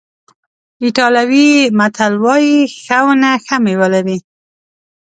ایټالوي متل وایي ښه ونه ښه میوه لري.